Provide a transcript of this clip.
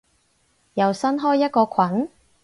又新開一個群？